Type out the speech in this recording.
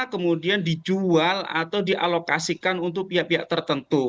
kemudian dijual atau dialokasikan untuk pihak pihak tertentu